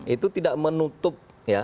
itu tidak menutup